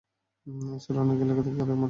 এছাড়া এখন এলাকা থেকে কাদামাটি নিতে দেয়না।